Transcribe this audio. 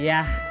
iya bentar ya